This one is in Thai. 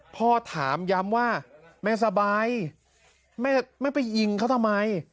พ่อถามย้ำว่าแม่สบายแม่ไปยิงเขาทำไม